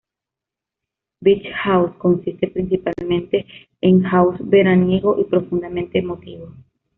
Beach House consiste principalmente en house veraniego y profundamente emotivo.